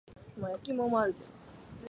福岡県鳥栖市